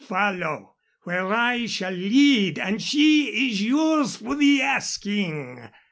Follow where I shall lead and she is yours for the asking."